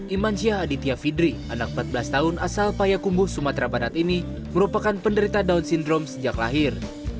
iman syah aditya fidri anak empat belas tahun asal payakumbu sumatera barat ini merupakan penderita down syndrome sejak lahir